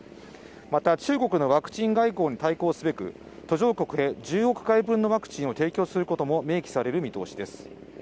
また、中国のワクチン外交に対抗すべく、途上国へ１０億回分のワクチンを提供することも明記される見通しです。